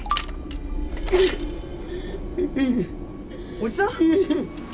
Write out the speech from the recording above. おじさん？